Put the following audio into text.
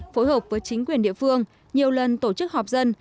phối hợp với chính quyền địa phương nhiều lần tổ chức họp dân